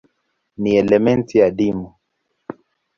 Ni elementi adimu.